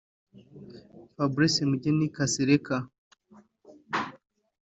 Fabrice Mugheni Kasereka